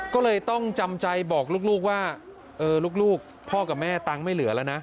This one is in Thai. ก็เลยต้องจำใจบอกลูกว่าลูกพ่อกับแม่ตังค์ไม่เหลือแล้วนะ